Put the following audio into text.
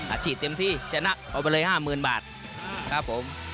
อัจชีทเต็มที่ฉนะออกไปเลย๕๐๐๐๐บาทครับ